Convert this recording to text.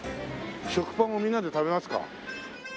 食パンをみんなで食べますか。